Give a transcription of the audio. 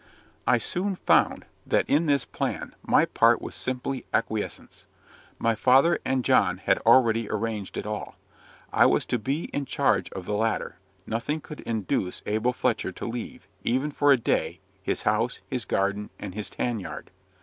I soon found, that in this plan, my part was simply acquiescence; my father and John had already arranged it all. I was to be in charge of the latter; nothing could induce Abel Fletcher to leave, even for a day, his house, his garden, and his tan yard.